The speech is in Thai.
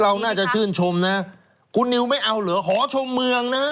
เราน่าจะชื่นชมนะคุณนิวไม่เอาเหรอหอชมเมืองนะฮะ